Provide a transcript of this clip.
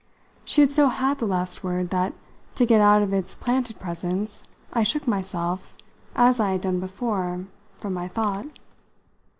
She had so had the last word that, to get out of its planted presence, I shook myself, as I had done before, from my thought.